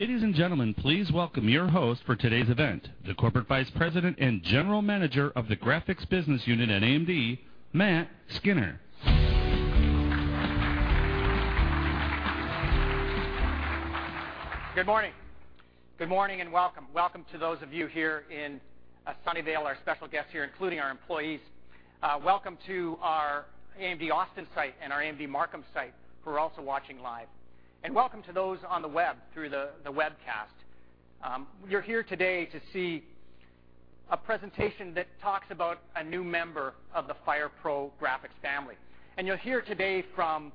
Ladies and gentlemen, please welcome your host for today's event, the Corporate Vice President and General Manager of the Graphics Business Unit at AMD, Matt Skynner. Good morning. Good morning, and welcome. Welcome to those of you here in Sunnyvale, our special guests here, including our employees. Welcome to our AMD Austin site and our AMD Markham site, who are also watching live. Welcome to those on the web through the webcast. You're here today to see a presentation that talks about a new member of the FirePro graphics family. You'll hear today from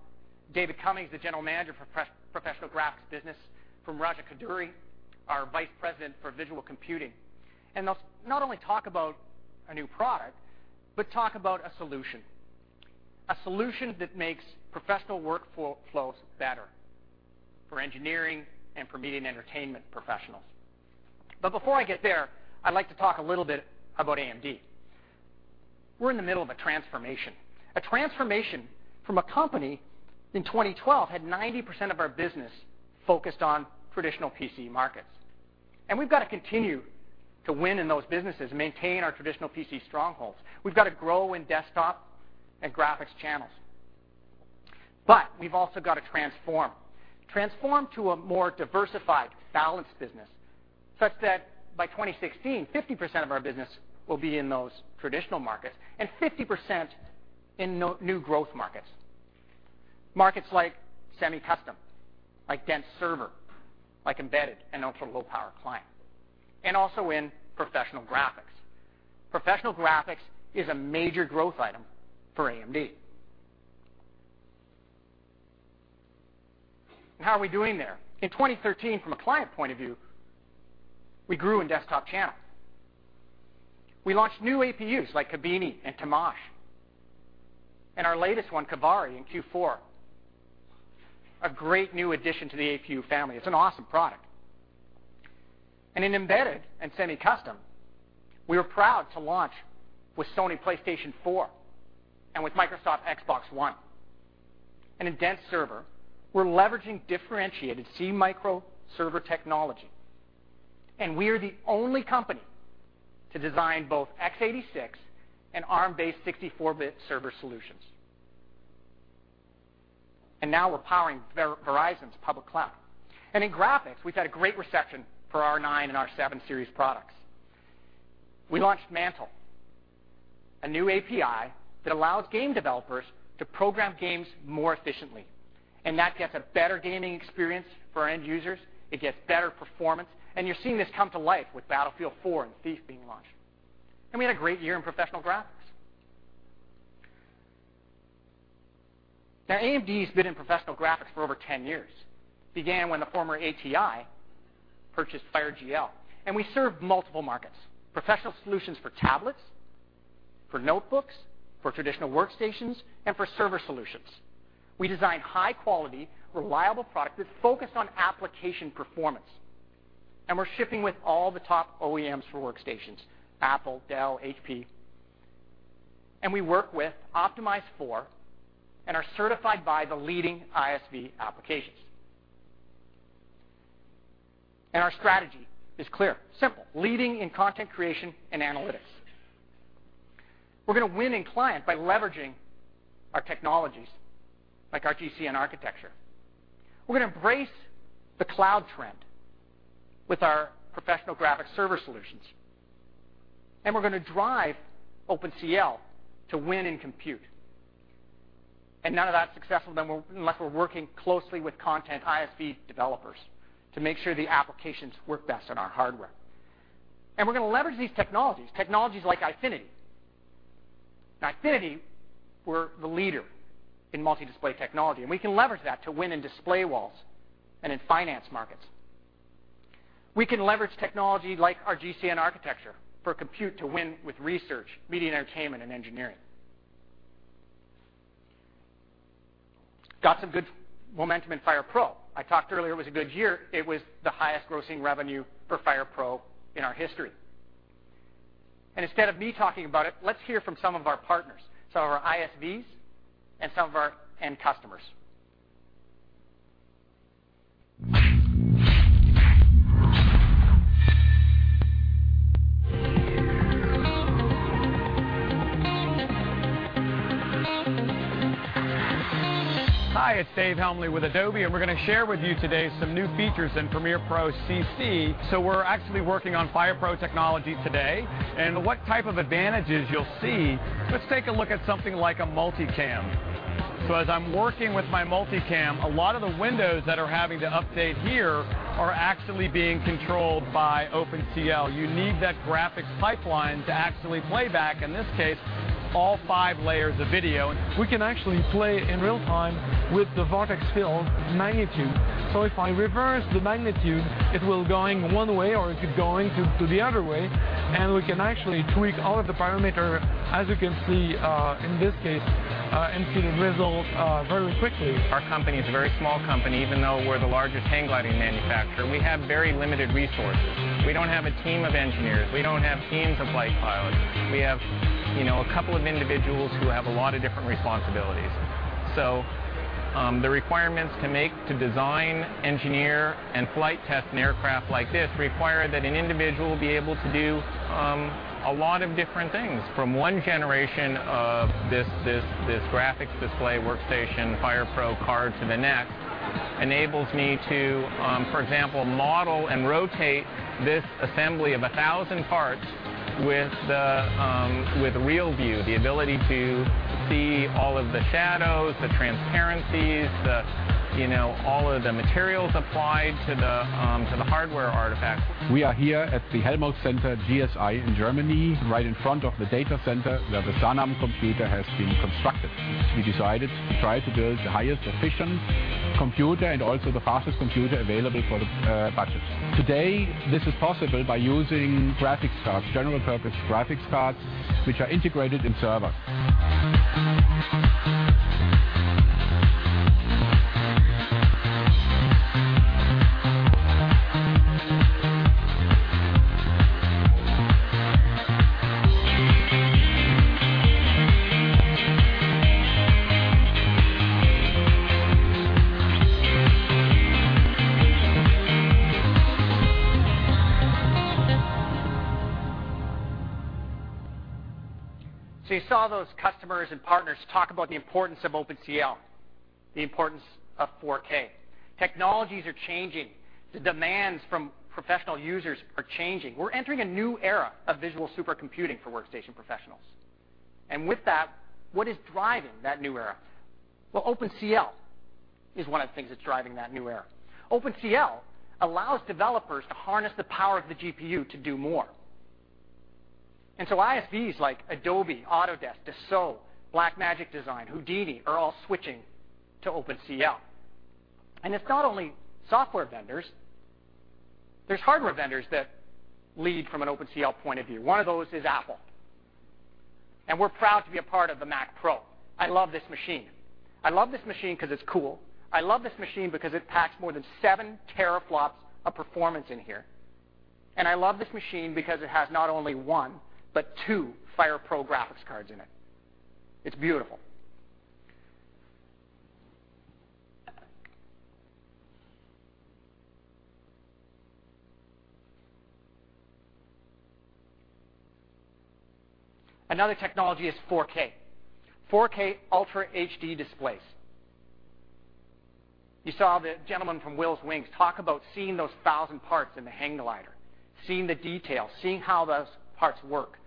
David Cummings, the general manager for professional graphics business, from Raja Koduri, our vice president for visual computing. They'll not only talk about a new product, but talk about a solution. A solution that makes professional workflows better for engineering and for media and entertainment professionals. Before I get there, I'd like to talk a little bit about AMD. We're in the middle of a transformation. A transformation from a company, in 2012, had 90% of our business focused on traditional PC markets. We've got to continue to win in those businesses and maintain our traditional PC strongholds. We've got to grow in desktop and graphics channels. We've also got to transform. Transform to a more diversified, balanced business, such that by 2016, 50% of our business will be in those traditional markets and 50% in new growth markets. Markets like semi-custom, like dense server, like embedded, and ultra-low-power client, and also in Professional graphics. Professional graphics is a major growth item for AMD. How are we doing there? In 2013, from a client point of view, we grew in desktop channels. We launched new APUs like Kabini and Temash, and our latest one, Kaveri, in Q4. A great new addition to the APU family. It's an awesome product. In embedded and semi-custom, we were proud to launch with Sony PlayStation 4 and with Microsoft Xbox One. In dense server, we're leveraging differentiated SeaMicro server technology. We are the only company to design both x86 and Arm-based 64-bit server solutions. Now we're powering Verizon's public cloud. In graphics, we've had a great reception for our 9 and our 7 series products. We launched Mantle, a new API that allows game developers to program games more efficiently, and that gets a better gaming experience for our end users. It gets better performance. You're seeing this come to life with Battlefield 4 and Thief being launched. We had a great year in Professional graphics. Now, AMD's been in Professional graphics for over 10 years. Began when the former ATI purchased FireGL. We serve multiple markets, professional solutions for tablets, for notebooks, for traditional workstations, and for server solutions. We design high-quality, reliable product that's focused on application performance. We're shipping with all the top OEMs for workstations, Apple, Dell, HP. We work with, optimize for, and are certified by the leading ISV applications. Our strategy is clear, simple, leading in content creation and analytics. We're going to win in client by leveraging our technologies, like our GCN architecture. We're going to embrace the cloud trend with our professional graphics server solutions. We're going to drive OpenCL to win in compute. None of that's successful unless we're working closely with content ISV developers to make sure the applications work best on our hardware. We're going to leverage these technologies like Eyefinity. In Eyefinity, we're the leader in multi-display technology, and we can leverage that to win in display walls and in finance markets. We can leverage technology like our GCN architecture for compute to win with research, media and entertainment, and engineering. Got some good momentum in FirePro. I talked earlier it was a good year. It was the highest grossing revenue for FirePro in our history. Instead of me talking about it, let's hear from some of our partners, some of our ISVs and some of our end customers. Hi, it's Dave Helmle with Adobe, and we're going to share with you today some new features in Premiere Pro CC. We're actually working on FirePro technology today. What type of advantages you'll see, let's take a look at something like a multicam. As I'm working with my multicam, a lot of the windows that are having to update here are actually being controlled by OpenCL. You need that graphics pipeline to actually play back, in this case, all five layers of video. We can actually play in real-time with the vortex field magnitude. If I reverse the magnitude, it will going one way, or it could going to the other way, and we can actually tweak all of the parameter, as you can see in this case, and see the result very quickly. Our company is a very small company. Even though we're the largest hang gliding manufacturer, we have very limited resources. We don't have a team of engineers. We don't have teams of flight pilots. We have a couple of individuals who have a lot of different responsibilities. The requirements to make, to design, engineer, and flight test an aircraft like this require that an individual be able to do a lot of different things. From one generation of this graphics display workstation FirePro card to the next enables me to, for example, model and rotate this assembly of a thousand parts with RealView, the ability to see all of the shadows, the transparencies, all of the materials applied to the hardware artifact. We are here at the Helmholtzzentrum GSI in Germany, right in front of the data center where the JUQUEEN computer has been constructed. We decided to try to build the highest efficient computer and also the fastest computer available for the budget. Today, this is possible by using graphics cards, general-purpose graphics cards, which are integrated in server. You saw those customers and partners talk about the importance of OpenCL, the importance of 4K. Technologies are changing. The demands from professional users are changing. We're entering a new era of visual supercomputing for workstation professionals. With that, what is driving that new era? Well, OpenCL is one of the things that's driving that new era. OpenCL allows developers to harness the power of the GPU to do more. ISVs like Adobe, Autodesk, Dassault, Blackmagic Design, Houdini are all switching to OpenCL. It's not only software vendors. There's hardware vendors that lead from an OpenCL point of view. One of those is Apple. We're proud to be a part of the Mac Pro. I love this machine. I love this machine because it's cool. I love this machine because it packs more than seven teraflops of performance in here. I love this machine because it has not only one but two FirePro graphics cards in it. It's beautiful. Another technology is 4K. 4K Ultra HD displays. You saw the gentleman from Wills Wing talk about seeing those thousand parts in the hang glider, seeing the detail, seeing how those parts work.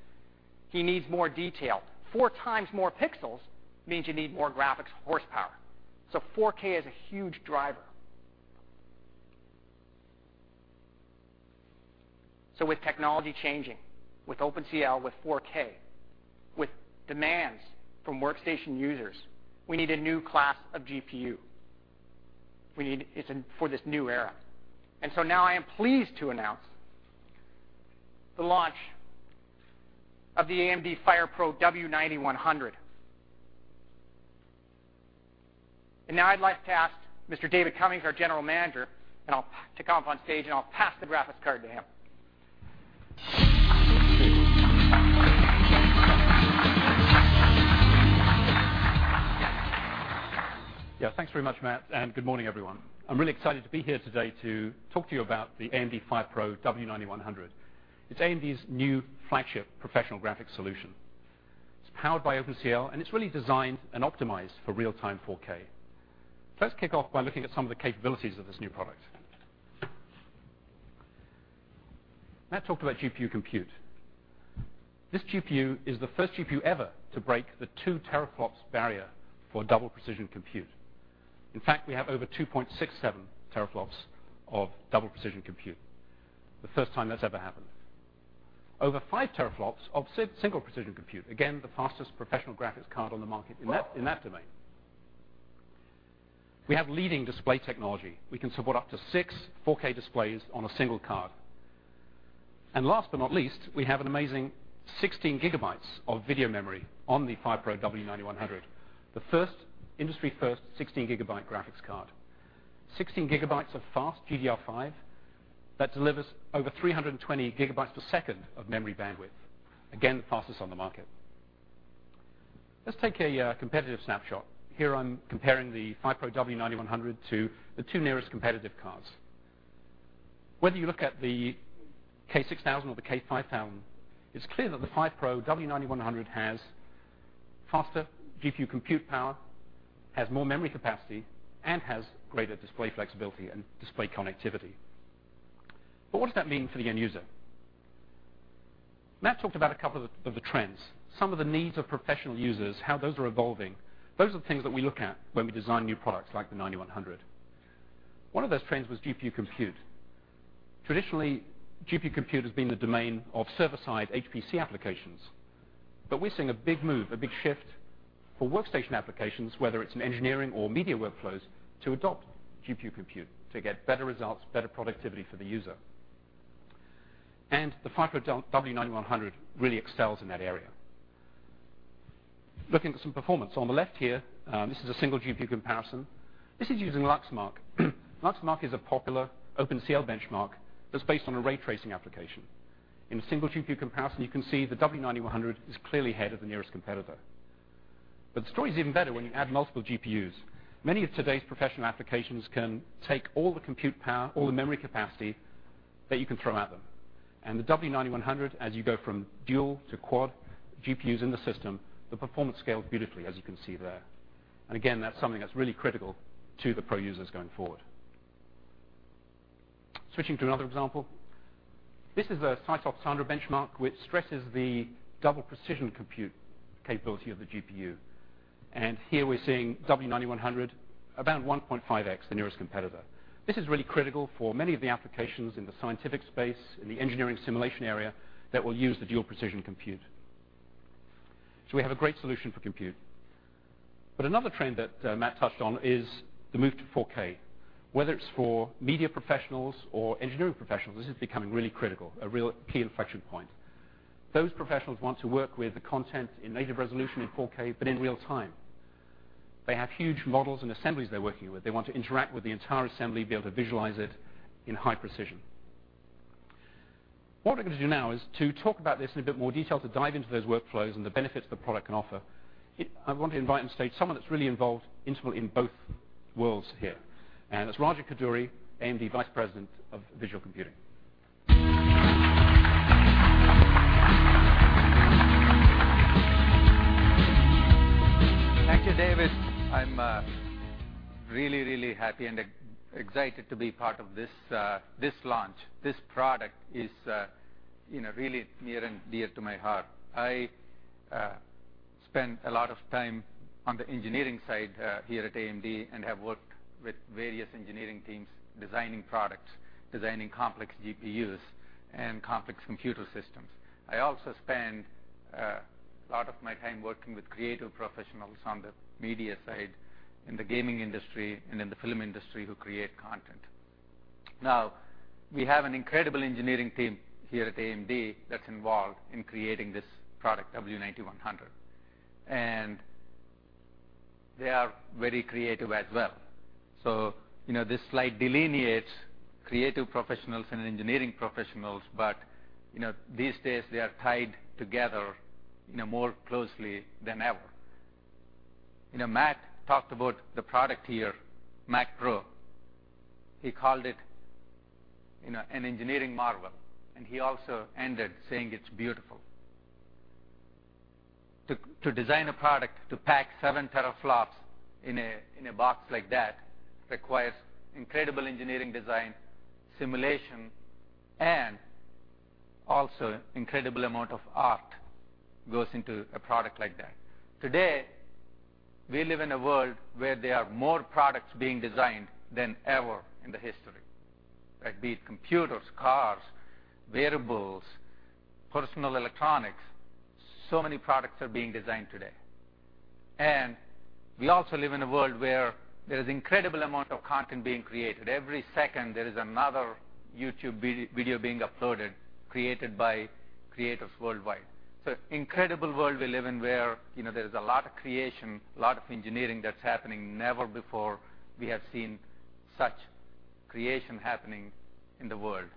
He needs more detail. Four times more pixels means you need more graphics horsepower. 4K is a huge driver. With technology changing, with OpenCL, with 4K, with demands from workstation users, we need a new class of GPU. We need it for this new era. Now I am pleased to announce the launch of the AMD FirePro W9100. Now I'd like to ask Mr. David Cummings, our general manager, I'll take him up on stage, and I'll pass the graphics card to him. Thanks very much, Matt, and good morning, everyone. I am really excited to be here today to talk to you about the AMD FirePro W9100. It is AMD's new flagship professional graphics solution. It is powered by OpenCL, and it is really designed and optimized for real-time 4K. Let us kick off by looking at some of the capabilities of this new product. Matt talked about GPU compute. This GPU is the first GPU ever to break the two teraflops barrier for double-precision compute. In fact, we have over 2.67 teraflops of double-precision compute. The first time that has ever happened. Over five teraflops of single-precision compute, again, the fastest professional graphics card on the market in that domain. We have leading display technology. We can support up to six 4K displays on a single card. Last but not least, we have an amazing 16 gigabytes of video memory on the FirePro W9100, the industry first 16-gigabyte graphics card. 16 gigabytes of fast GDDR5 that delivers over 320 gigabytes per second of memory bandwidth. Again, the fastest on the market. Let us take a competitive snapshot. Here, I am comparing the FirePro W9100 to the two nearest competitive cards. Whether you look at the K6000 or the K5000, it is clear that the FirePro W9100 has faster GPU compute power, has more memory capacity, and has greater display flexibility and display connectivity. What does that mean for the end user? Matt talked about a couple of the trends, some of the needs of professional users, how those are evolving. Those are the things that we look at when we design new products like the 9100. One of those trends was GPU compute. Traditionally, GPU compute has been the domain of server-side HPC applications. We are seeing a big move, a big shift for workstation applications, whether it is in engineering or media workflows, to adopt GPU compute to get better results, better productivity for the user. The FirePro W9100 really excels in that area. Looking at some performance. On the left here, this is a single GPU comparison. This is using LuxMark. LuxMark is a popular OpenCL benchmark that is based on a ray tracing application. In a single GPU comparison, you can see the W9100 is clearly ahead of the nearest competitor. The story is even better when you add multiple GPUs. Many of today's professional applications can take all the compute power, all the memory capacity that you can throw at them. The W9100, as you go from dual to quad GPUs in the system, the performance scales beautifully, as you can see there. Again, that is something that is really critical to the pro users going forward. Switching to another example. This is a SiSoftware Sandra benchmark, which stresses the double-precision compute capability of the GPU. Here we are seeing W9100 about 1.5x the nearest competitor. This is really critical for many of the applications in the scientific space, in the engineering simulation area, that will use the double-precision compute. We have a great solution for compute. Another trend that Matt touched on is the move to 4K. Whether it is for media professionals or engineering professionals, this is becoming really critical, a real key inflection point. Those professionals want to work with the content in native resolution in 4K, but in real-time. They have huge models and assemblies they're working with. They want to interact with the entire assembly, be able to visualize it in high precision. What we're going to do now is to talk about this in a bit more detail, to dive into those workflows and the benefits the product can offer. I want to invite on stage someone that's really involved in both worlds here, and it's Raja Koduri, AMD Vice President of Visual Computing. Thank you, David. I'm really happy and excited to be part of this launch. This product is really near and dear to my heart. I spent a lot of time on the engineering side here at AMD and have worked with various engineering teams designing products, designing complex GPUs, and complex computer systems. I also spend a lot of my time working with creative professionals on the media side, in the gaming industry and in the film industry, who create content. We have an incredible engineering team here at AMD that's involved in creating this product, W9100, and they are very creative as well. This slide delineates creative professionals and engineering professionals, but these days they are tied together more closely than ever. Matt Skynner talked about the product here, Mac Pro. He called it an engineering marvel, and he also ended saying it's beautiful. To design a product to pack seven teraflops in a box like that requires incredible engineering design, simulation, and also incredible amount of art goes into a product like that. Today, we live in a world where there are more products being designed than ever in the history, right? Be it computers, cars, wearables, personal electronics, so many products are being designed today. We also live in a world where there is incredible amount of content being created. Every second, there is another YouTube video being uploaded, created by creators worldwide. Incredible world we live in where there's a lot of creation, a lot of engineering that's happening. Never before we have seen such creation happening in the world.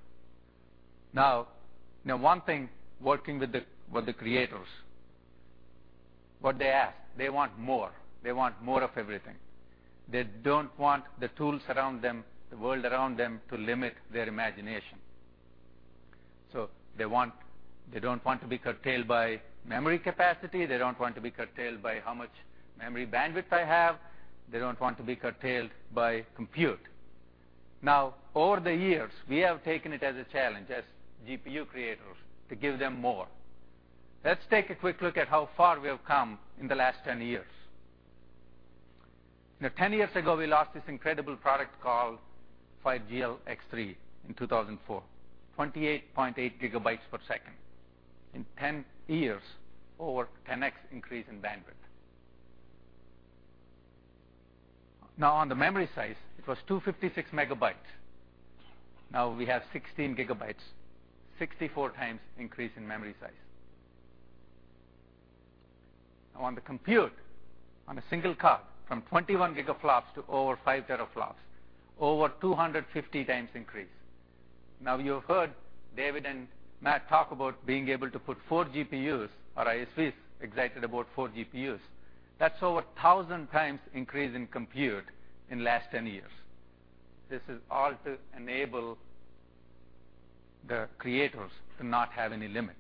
One thing working with the creators, what they ask, they want more. They want more of everything. They don't want the tools around them, the world around them, to limit their imagination. They don't want to be curtailed by memory capacity, they don't want to be curtailed by how much memory bandwidth they have. They don't want to be curtailed by compute. Over the years, we have taken it as a challenge, as GPU creators, to give them more. Let's take a quick look at how far we have come in the last 10 years. 10 years ago, we launched this incredible product called FireGL X3 in 2004, 28.8 gigabytes per second. In 10 years, over 10x increase in bandwidth. On the memory size, it was 256 megabytes. We have 16 gigabytes, 64 times increase in memory size. On the compute, on a single card from 21 gigaflops to over five teraflops, over 250 times increase. You have heard David and Matt talk about being able to put 4 GPUs or ASICs, excited about 4 GPUs. That's over 1,000 times increase in compute in the last 10 years. This is all to enable the creators to not have any limits.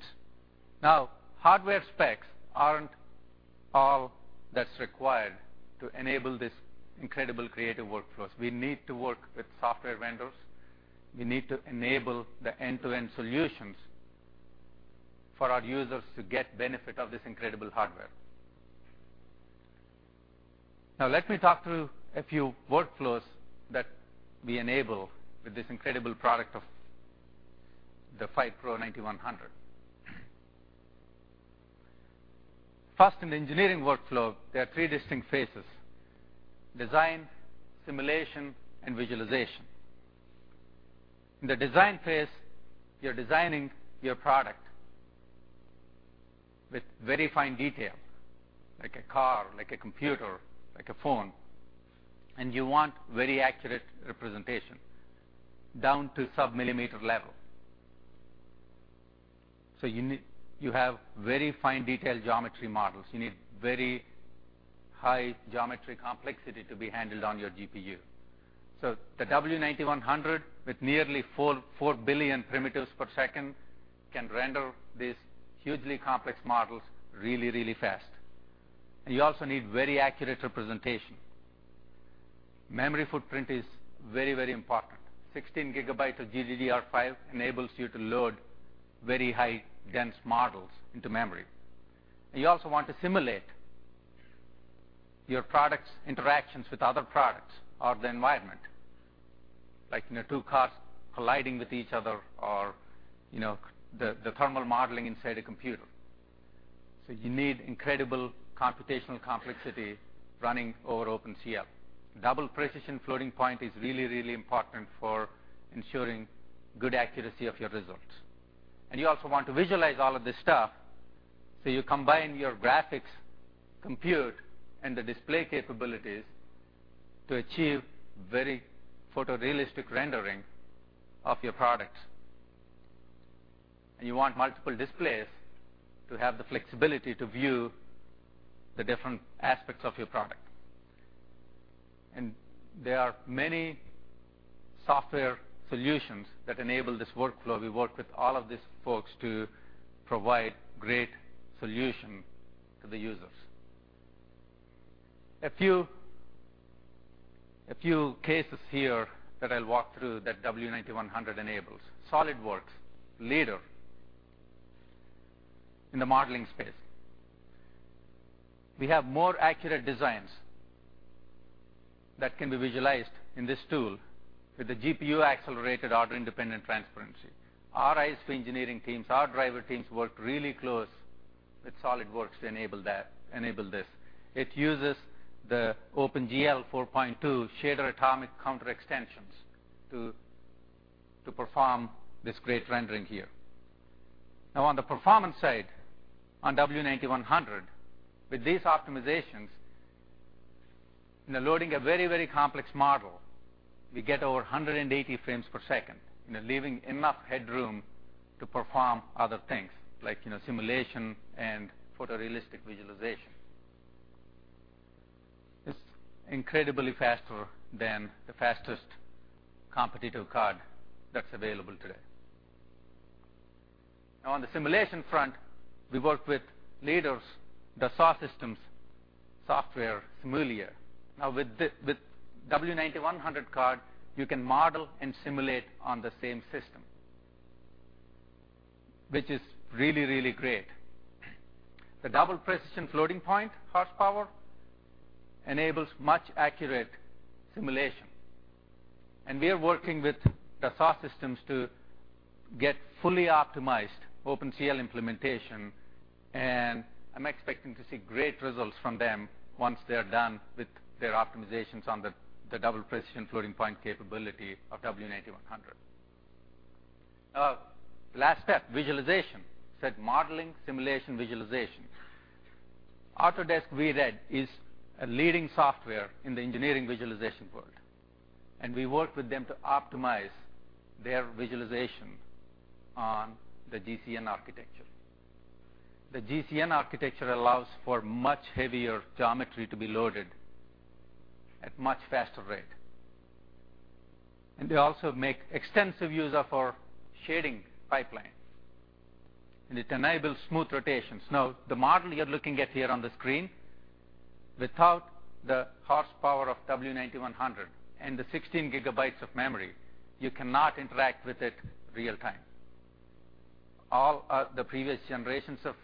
Hardware specs aren't all that's required to enable this incredible creative workflows. We need to work with software vendors. We need to enable the end-to-end solutions for our users to get benefit of this incredible hardware. Let me talk through a few workflows that we enable with this incredible product of the FirePro W9100. First, in the engineering workflow, there are 3 distinct phases: design, simulation, and visualization. In the design phase, you're designing your product with very fine detail, like a car, like a computer, like a phone, and you want very accurate representation down to sub-millimeter level. You have very fine detail geometry models. You need very high geometry complexity to be handled on your GPU. The W9100, with nearly 4 billion primitives per second, can render these hugely complex models really, really fast. You also need very accurate representation. Memory footprint is very, very important. 16 gigabytes of GDDR5 enables you to load very high dense models into memory. You also want to simulate your product's interactions with other products or the environment, like 2 cars colliding with each other or the thermal modeling inside a computer. You need incredible computational complexity running over OpenCL. Double-precision floating point is really, really important for ensuring good accuracy of your results. You also want to visualize all of this stuff, so you combine your graphics compute and the display capabilities to achieve very photorealistic rendering of your products. You want multiple displays to have the flexibility to view the different aspects of your product. There are many software solutions that enable this workflow. We work with all of these folks to provide great solution to the users. A few cases here that I'll walk through that W9100 enables. SOLIDWORKS, leader in the modeling space. We have more accurate designs that can be visualized in this tool with the GPU-accelerated order-independent transparency. Our ISV engineering teams, our driver teams work really close with SOLIDWORKS to enable this. It uses the OpenGL 4.2 shader atomic counter extensions to perform this great rendering here. On the performance side, on W9100, with these optimizations, in loading a very, very complex model, we get over 180 frames per second, leaving enough headroom to perform other things like simulation and photorealistic visualization. It's incredibly faster than the fastest competitive card that's available today. On the simulation front, we work with leaders, Dassault Systèmes software SIMULIA. With W9100 card, you can model and simulate on the same system, which is really, really great. The double-precision floating point horsepower enables much accurate simulation. We are working with Dassault Systèmes to get fully optimized OpenCL implementation, and I'm expecting to see great results from them once they're done with their optimizations on the double-precision floating point capability of W9100. Last step, visualization. Said modeling, simulation, visualization. Autodesk VRED is a leading software in the engineering visualization world. We work with them to optimize their visualization on the GCN architecture. The GCN architecture allows for much heavier geometry to be loaded at much faster rate. They also make extensive use of our shading pipeline, and it enables smooth rotations. The model you're looking at here on the screen, without the horsepower of W9100 and the 16 GB of memory, you cannot interact with it real-time. All the previous generations of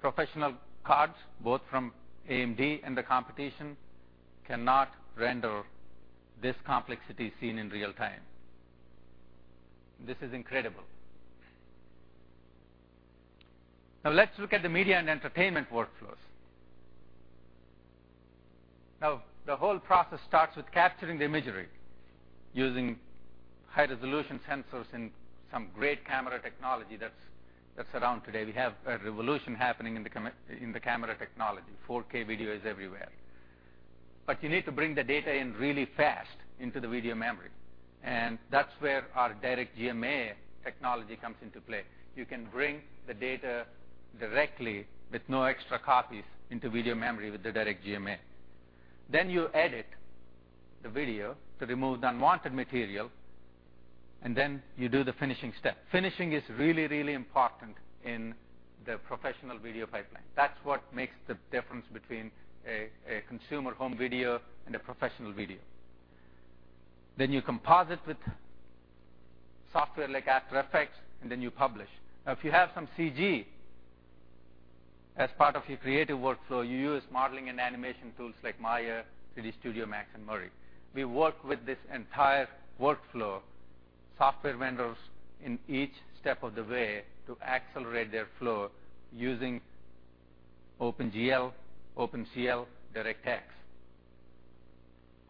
professional cards, both from AMD and the competition, cannot render this complexity seen in real-time. This is incredible. Let's look at the media and entertainment workflows. The whole process starts with capturing the imagery using high-resolution sensors and some great camera technology that's around today. We have a revolution happening in the camera technology. 4K video is everywhere. You need to bring the data in really fast into the video memory, and that's where our DirectGMA technology comes into play. You can bring the data directly with no extra copies into video memory with the DirectGMA. You edit the video to remove the unwanted material, then you do the finishing step. Finishing is really important in the professional video pipeline. That's what makes the difference between a consumer home video and a professional video. You composite with software like After Effects, then you publish. If you have some CG as part of your creative workflow, you use modeling and animation tools like Maya, 3D Studio Max, and Mari. We work with this entire workflow, software vendors in each step of the way to accelerate their flow using OpenGL, OpenCL, DirectX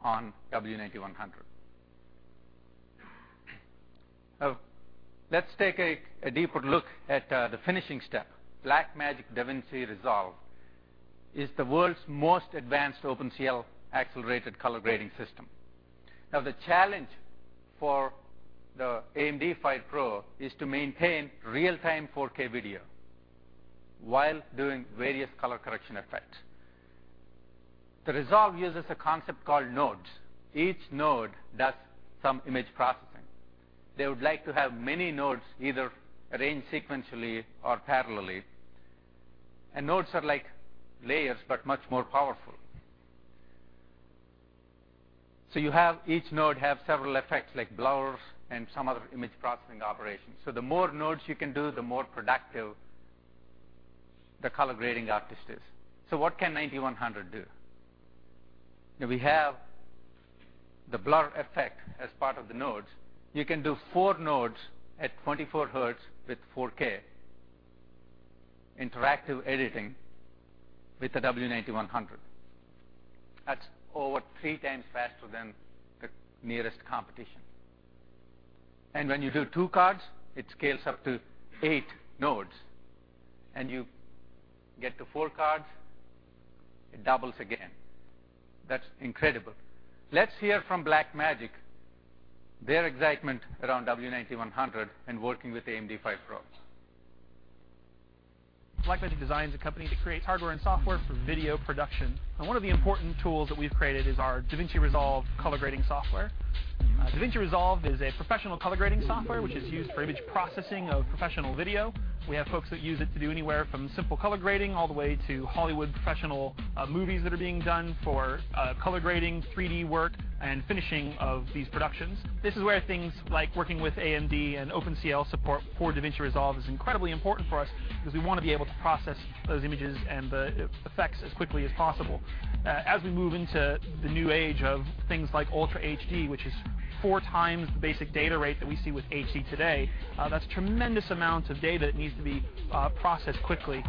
On W9100. Let's take a deeper look at the finishing step. Blackmagic DaVinci Resolve is the world's most advanced OpenCL-accelerated color grading system. The challenge for the AMD FirePro is to maintain real-time 4K video while doing various color correction effects. The Resolve uses a concept called nodes. Each node does some image processing. They would like to have many nodes either arranged sequentially or parallelly. Nodes are like layers, but much more powerful. You have each node have several effects like blurs and some other image processing operations. The more nodes you can do, the more productive the color grading artist is. What can 9100 do? We have the blur effect as part of the nodes. You can do four nodes at 24 Hz with 4K interactive editing with the W9100. That's over 3 times faster than the nearest competition. When you do two cards, it scales up to eight nodes. You get to four cards, it doubles again. That's incredible. Let's hear from Blackmagic, their excitement around W9100 and working with AMD FirePro. Blackmagic Design is a company that creates hardware and software for video production, and one of the important tools that we've created is our DaVinci Resolve color grading software. DaVinci Resolve is a professional color grading software which is used for image processing of professional video. We have folks that use it to do anywhere from simple color grading all the way to Hollywood professional movies that are being done for color grading, 3D work, and finishing of these productions. This is where things like working with AMD and OpenCL support for DaVinci Resolve is incredibly important for us because we want to be able to process those images and the effects as quickly as possible. As we move into the new age of things like 4K Ultra HD, which is four times the basic data rate that we see with HD today, that's tremendous amounts of data that needs to be processed quickly.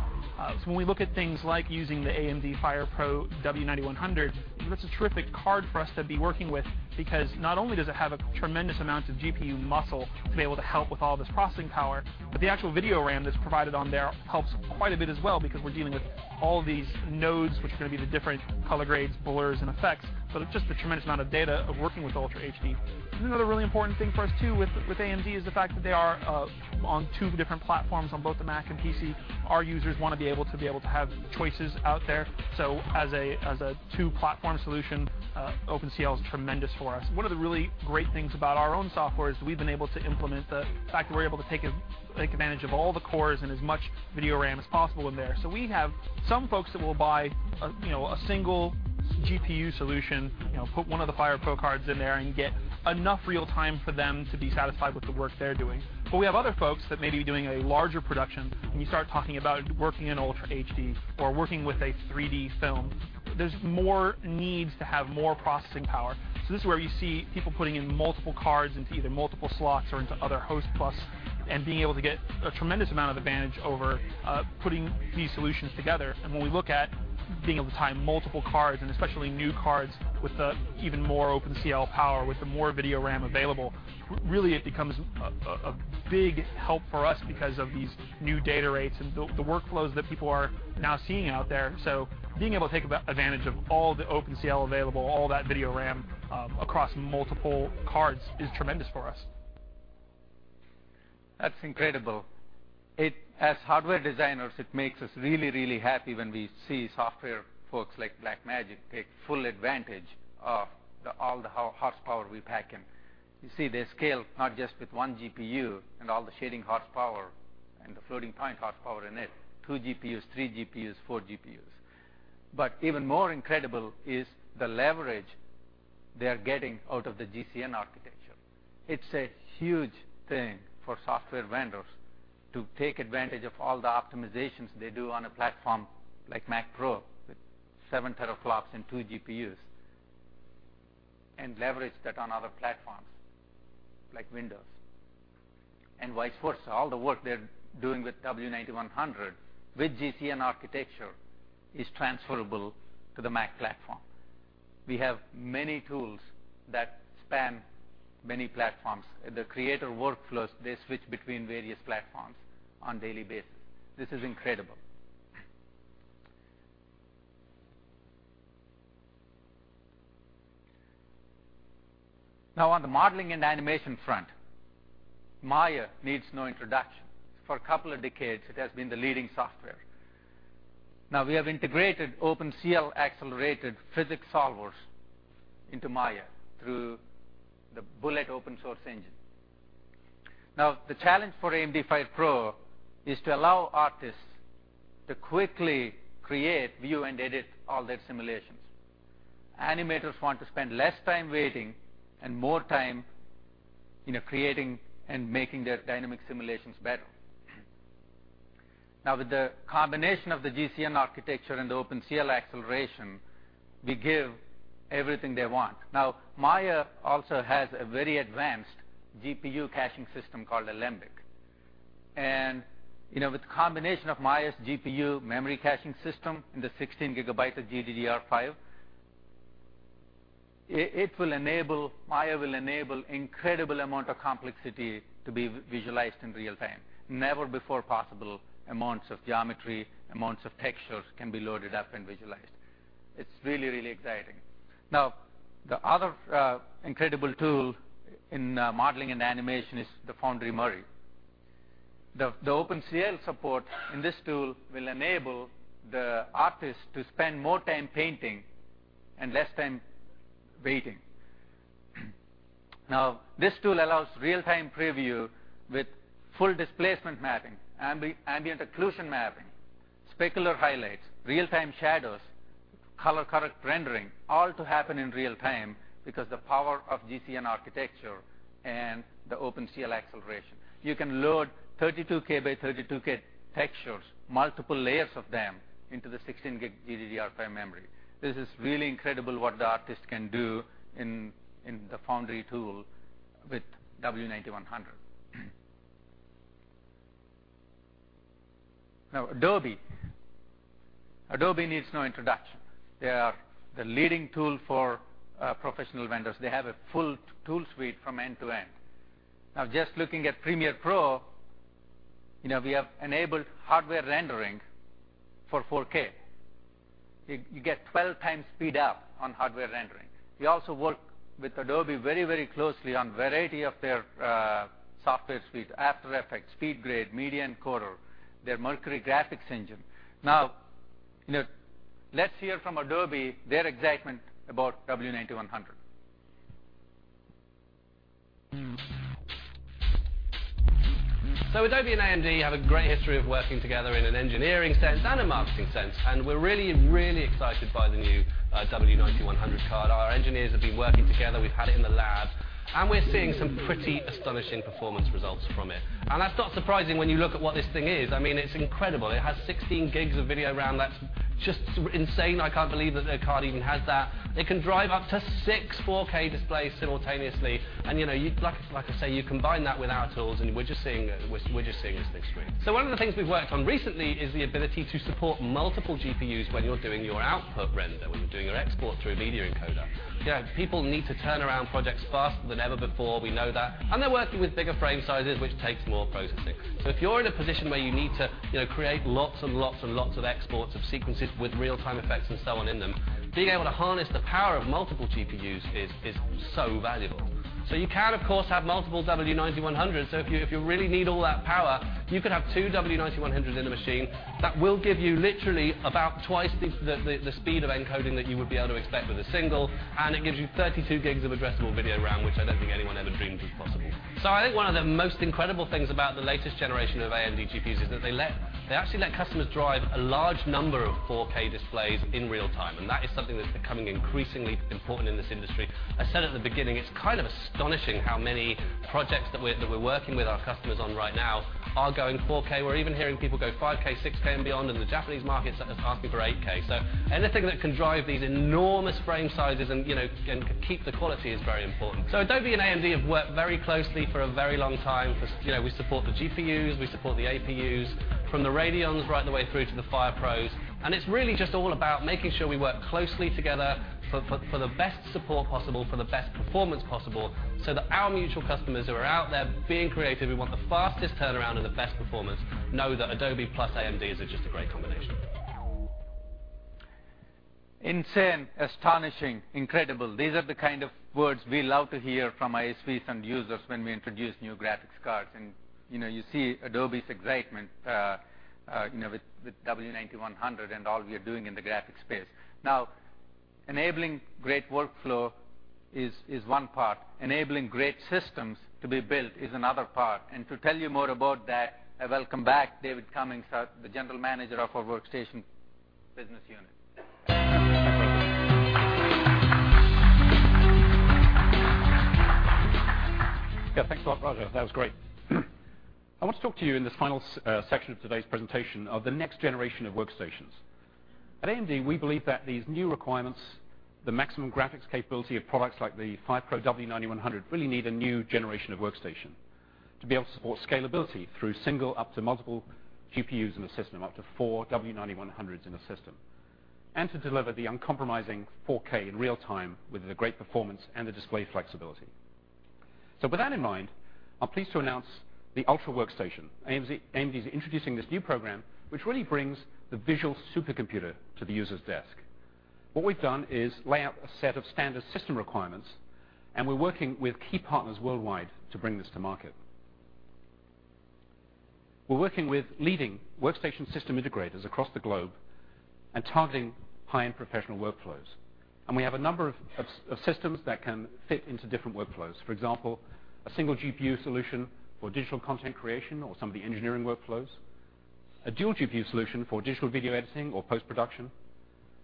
When we look at things like using the AMD FirePro W9100, that's a terrific card for us to be working with because not only does it have a tremendous amount of GPU muscle to be able to help with all this processing power, but the actual video RAM that's provided on there helps quite a bit as well because we're dealing with all these nodes, which are going to be the different color grades, blurs, and effects. Just the tremendous amount of data of working with 4K Ultra HD. Another really important thing for us too with AMD is the fact that they are on two different platforms on both the Mac and PC. Our users want to be able to have choices out there. As a two-platform solution, OpenCL is tremendous for us. One of the really great things about our own software is we've been able to implement the fact that we're able to take advantage of all the cores and as much video RAM as possible in there. We have some folks that will buy a single GPU solution, put one of the FirePro cards in there, and get enough real-time for them to be satisfied with the work they're doing. We have other folks that may be doing a larger production, and you start talking about working in 4K Ultra HD or working with a 3D film. There's more needs to have more processing power. This is where you see people putting in multiple cards into either multiple slots or into other host bus and being able to get a tremendous amount of advantage over putting these solutions together. When we look at being able to tie in multiple cards, and especially new cards with the even more OpenCL power, with the more video RAM available, really it becomes a big help for us because of these new data rates and the workflows that people are now seeing out there. Being able to take advantage of all the OpenCL available, all that video RAM across multiple cards is tremendous for us. That's incredible. As hardware designers, it makes us really, really happy when we see software folks like Blackmagic take full advantage of all the horsepower we pack in. You see, they scale not just with one GPU and all the shading horsepower and the floating point horsepower in it, two GPUs, three GPUs, four GPUs. Even more incredible is the leverage they are getting out of the GCN architecture. It's a huge thing for software vendors to take advantage of all the optimizations they do on a platform like Mac Pro with seven teraflops and two GPUs and leverage that on other platforms like Windows. Vice versa, all the work they're doing with W9100 with GCN architecture is transferable to the Mac platform. We have many tools that span many platforms. The creator workflows, they switch between various platforms on daily basis. This is incredible. On the modeling and animation front, Maya needs no introduction. For a couple of decades, it has been the leading software. We have integrated OpenCL-accelerated physics solvers into Maya through the Bullet open-source engine. The challenge for AMD FirePro is to allow artists to quickly create, view, and edit all their simulations. Animators want to spend less time waiting and more time creating and making their dynamic simulations better. With the combination of the GCN architecture and the OpenCL acceleration, we give everything they want. Maya also has a very advanced GPU caching system called Alembic. With the combination of Maya's GPU memory caching system and the 16 gigabytes of GDDR5, Maya will enable incredible amount of complexity to be visualized in real-time. Never before possible amounts of geometry, amounts of textures can be loaded up and visualized. It's really, really exciting. The other incredible tool in modeling and animation is the Foundry Mari. The OpenCL support in this tool will enable the artist to spend more time painting and less time waiting. This tool allows real-time preview with full displacement mapping, ambient occlusion mapping, specular highlights, real-time shadows, color correct rendering, all to happen in real-time because the power of GCN architecture and the OpenCL acceleration. You can load 32K by 32K textures, multiple layers of them, into the 16 gig GDDR5 memory. This is really incredible what the artist can do in the Foundry tool with W9100. Adobe needs no introduction. They are the leading tool for professional vendors. They have a full tool suite from end to end. Just looking at Premiere Pro, we have enabled hardware rendering for 4K. You get 12 times speed up on hardware rendering. We also work with Adobe very closely on variety of their software suite, After Effects, SpeedGrade, Media Encoder, their Mercury Playback Engine. Let's hear from Adobe, their excitement about W9100. Adobe and AMD have a great history of working together in an engineering sense and a marketing sense, and we're really, really excited by the new W9100 card. Our engineers have been working together. We've had it in the lab. We're seeing some pretty astonishing performance results from it. That's not surprising when you look at what this thing is. It's incredible. It has 16 gigs of video RAM. That's just insane. I can't believe that a card even has that. It can drive up to six 4K displays simultaneously. Like I say, you combine that with our tools, and we're just seeing this thing scream. One of the things we've worked on recently is the ability to support multiple GPUs when you're doing your output render, when you're doing your export through Media Encoder. People need to turn around projects faster than ever before. We know that. They're working with bigger frame sizes, which takes more processing. If you're in a position where you need to create lots and lots and lots of exports of sequences with real-time effects and so on in them, being able to harness the power of multiple GPUs is valuable. You can, of course, have multiple W9100s. If you really need all that power, you could have two W9100 in a machine. That will give you literally about twice the speed of encoding that you would be able to expect with a single, and it gives you 32 GB of addressable video RAM, which I don't think anyone ever dreamed was possible. I think one of the most incredible things about the latest generation of AMD GPUs is that they actually let customers drive a large number of 4K displays in real-time, and that is something that's becoming increasingly important in this industry. I said at the beginning, it's kind of astonishing how many projects that we're working with our customers on right now are going 4K. We're even hearing people go 5K, 6K, and beyond, and the Japanese market's asking for 8K. Anything that can drive these enormous frame sizes and can keep the quality is very important. Adobe and AMD have worked very closely for a very long time. We support the GPUs, we support the APUs, from the Radeons right the way through to the FirePros, and it's really just all about making sure we work closely together for the best support possible, for the best performance possible, so that our mutual customers who are out there being creative, who want the fastest turnaround and the best performance, know that Adobe plus AMD is just a great combination. Insane, astonishing, incredible. These are the kind of words we love to hear from ISVs and users when we introduce new graphics cards. You see Adobe's excitement with W9100 and all we are doing in the graphics space. Now, enabling great workflow is one part. Enabling great systems to be built is another part. To tell you more about that, I welcome back David Cummings, the General Manager of our Workstation business unit. Thanks a lot, Raja. That was great. I want to talk to you in this final section of today's presentation of the next generation of workstations. At AMD, we believe that these new requirements, the maximum graphics capability of products like the FirePro W9100, really need a new generation of workstation to be able to support scalability through single up to multiple GPUs in a system, up to four W9100s in a system, and to deliver the uncompromising 4K in real-time with the great performance and the display flexibility. With that in mind, I'm pleased to announce the Ultra Workstation. AMD's introducing this new program, which really brings the visual supercomputer to the user's desk. What we've done is lay out a set of standard system requirements, and we're working with key partners worldwide to bring this to market. We're working with leading workstation system integrators across the globe and targeting high-end professional workflows. We have a number of systems that can fit into different workflows. For example, a single GPU solution for digital content creation or some of the engineering workflows, a dual GPU solution for digital video editing or post-production,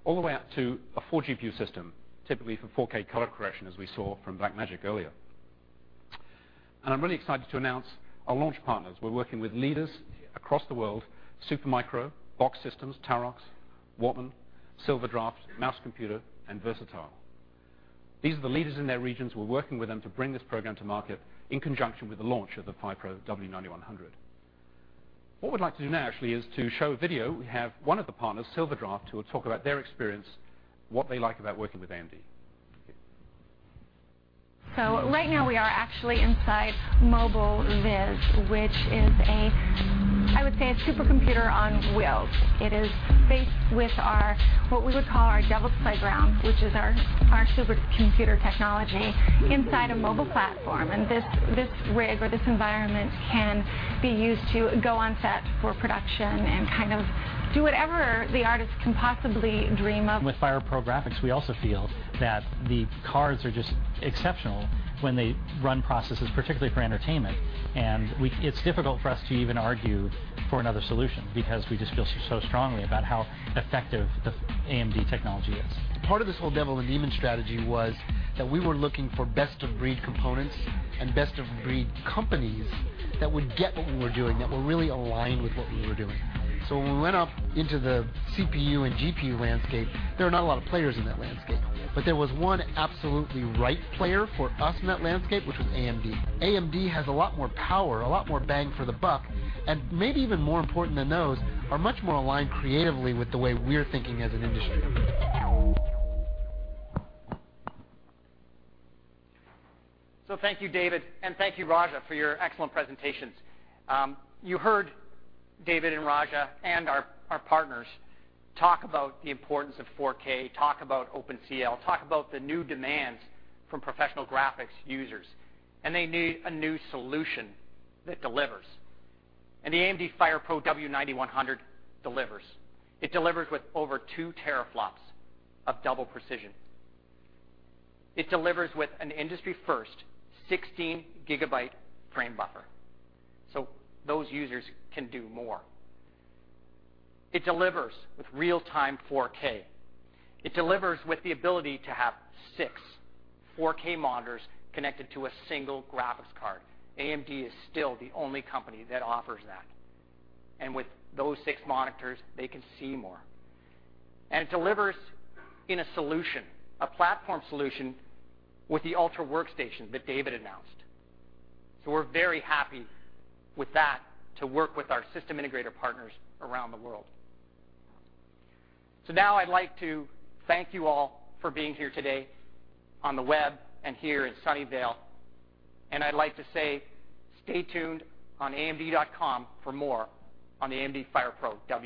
all the way up to a four GPU system, typically for 4K color correction, as we saw from Blackmagic earlier. I'm really excited to announce our launch partners. We're working with leaders across the world, Supermicro, BOXX Technologies, TAROX, Wortmann, Silverdraft, Mouse Computer, and Versatile. These are the leaders in their regions. We're working with them to bring this program to market in conjunction with the launch of the FirePro W9100. What we'd like to do now actually is to show a video. We have one of the partners, Silverdraft, who will talk about their experience, what they like about working with AMD. Right now, we are actually inside MobileViz, which is a, I would say, a supercomputer on wheels. It is based with our, what we would call our Devil's Playground, which is our supercomputer technology inside a mobile platform, and this rig or this environment can be used to go on set for production and kind of do whatever the artist can possibly dream of. With FirePro graphics, we also feel that the cards are just exceptional when they run processes, particularly for entertainment. It's difficult for us to even argue for another solution because we just feel so strongly about how effective the AMD technology is. Part of this whole devil and demon strategy was that we were looking for best-of-breed components and best-of-breed companies that would get what we were doing, that were really aligned with what we were doing. When we went up into the CPU and GPU landscape, there are not a lot of players in that landscape, but there was one absolutely right player for us in that landscape, which was AMD. AMD has a lot more power, a lot more bang for the buck, and maybe even more important than those, are much more aligned creatively with the way we're thinking as an industry. Thank you, David, and thank you, Raja, for your excellent presentations. You heard David and Raja and our partners talk about the importance of 4K, talk about OpenCL, talk about the new demands from professional graphics users, and they need a new solution that delivers, and the AMD FirePro W9100 delivers. It delivers with over two teraflops of double-precision. It delivers with an industry-first 16-gigabyte frame buffer, so those users can do more. It delivers with real-time 4K. It delivers with the ability to have six 4K monitors connected to a single graphics card. AMD is still the only company that offers that. With those six monitors, they can see more. It delivers in a solution, a platform solution, with the Ultra Workstation that David announced. We're very happy with that to work with our system integrator partners around the world. Now I'd like to thank you all for being here today on the web and here at Sunnyvale, and I'd like to say stay tuned on amd.com for more on the AMD FirePro W-